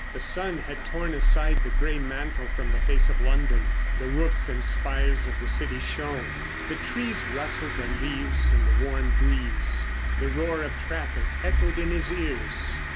The sun had torn aside the grey mantle from the face of London. The roofs and spires of the city shone. The trees rustled their leaves in the warm breeze. The roar of traffic echoed in his ears.